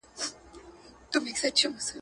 پیغمبران د همدې خلیفه له نسل څخه پیدا سول.